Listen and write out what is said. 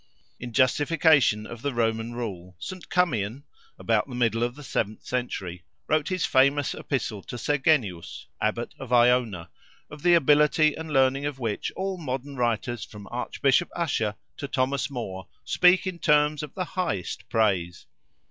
In justification of the Roman rule, St. Cummian, about the middle of the seventh century, wrote his famous epistle to Segenius, Abbot of Iona, of the ability and learning of which all modern writers from Archbishop Usher to Thomas Moore, speak in terms of the highest praise.